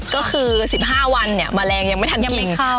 ก็คือสิบห้าวันเนี้ยแมลงยังไม่ทันกินยังไม่เข้า